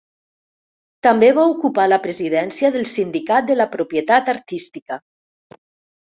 També va ocupar la presidència del sindicat de la propietat artística.